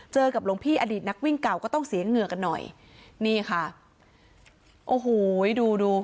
กับหลวงพี่อดีตนักวิ่งเก่าก็ต้องเสียเหงื่อกันหน่อยนี่ค่ะโอ้โหดูดู